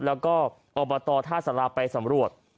แล้วก็อบตอฆาตศรัพย์ไปสำรวจ